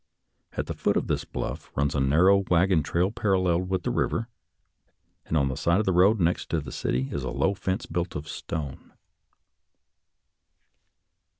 At the foot of this bluff runs a narrow wagon road parallel with the river, and on the side of the road next to the city is a low fence built of stone.